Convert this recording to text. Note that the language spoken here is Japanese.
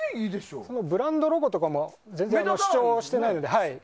ブランドロゴとかも主張してないので。